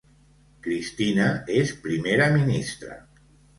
Cristina és primera ministra